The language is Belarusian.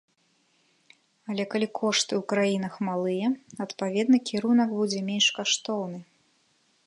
Але калі кошты ў краінах малыя, адпаведна кірунак будзе менш каштоўны.